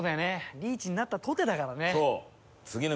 リーチになったとてだからね。